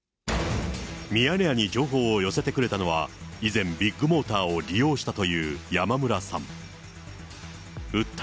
ミヤネ屋に情報を寄せてくれたのは、以前、ビッグモーターを利用したという山村さん。